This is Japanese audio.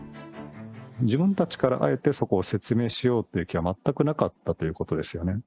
自分たちからあえてそこを説明しようという気は全くなかったということですよね。